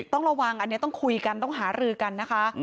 ต้องระวังอันนี้ต้องคุยกันต้องหารือกันนะคะ